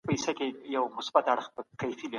دوی بحثونه د کليسا په چوکاټ کي کول.